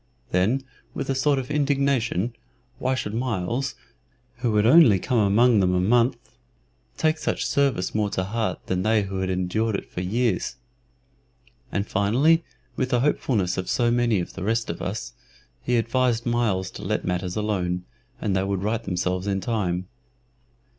Then, with a sort of indignation, why should Myles, who had only come among them a month, take such service more to heart than they who had endured it for years? And, finally, with the hopefulness of so many of the rest of us, he advised Myles to let matters alone, and they would right themselves in time.